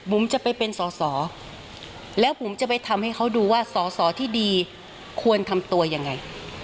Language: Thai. ผมจะไปเป็นสอสอแล้วผมจะไปทำให้เขาดูว่าสอสอที่ดีควรทำตัวยังไง